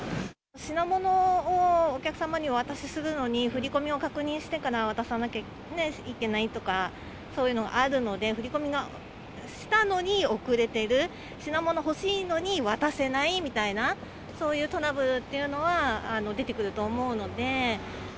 品物をお客様にお渡しするのに、振り込みを確認してから渡さなきゃいけないとか、そういうのがあるので、振り込みしたのに遅れてる、品物欲しいのに、渡せないみたいな、そういうトラブルっていうのは出てくると思うので。